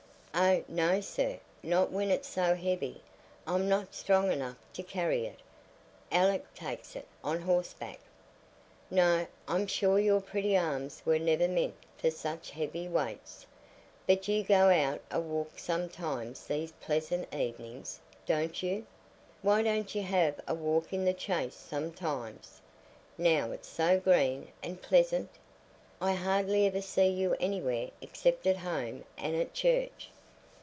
"Oh no, sir; not when it's so heavy. I'm not strong enough to carry it. Alick takes it on horseback." "No, I'm sure your pretty arms were never meant for such heavy weights. But you go out a walk sometimes these pleasant evenings, don't you? Why don't you have a walk in the Chase sometimes, now it's so green and pleasant? I hardly ever see you anywhere except at home and at church."